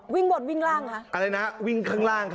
วิ่งบดล่าง